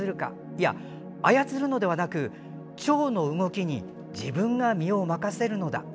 いや、操るのではなくちょうの動きに自分が身を任せるのだ。